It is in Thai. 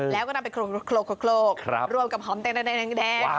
แล้วก็นำไปโคลกรวมกับหอมแดง